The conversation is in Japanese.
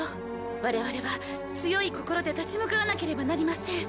我々は強い心で立ち向かわなければなりません。